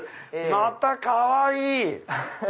またかわいい！